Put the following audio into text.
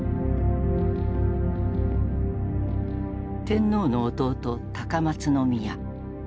天皇の弟高松宮。